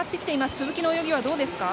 鈴木の泳ぎはどうですか。